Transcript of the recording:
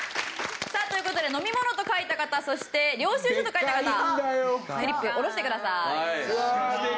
さあという事で飲み物と書いた方そして領収書と書いた方フリップ下ろしてください。